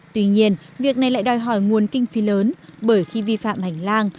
tuy nhiên việc này lại đòi hỏi nguồn kinh phí lớn bởi khi vi phạm hành lang